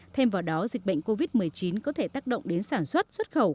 thêm vào đó dịch bệnh covid một mươi chín có thể tác động đến sản xuất xuất khẩu